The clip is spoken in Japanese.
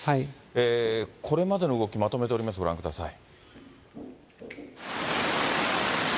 これまでの動き、まとめております、ご覧ください。